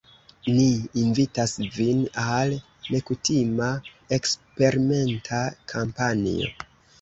Ni invitas vin al nekutima, eksperimenta kampanjo.